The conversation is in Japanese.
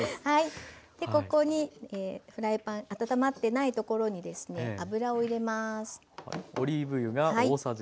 ここにフライパン温まってないところに油を入れます。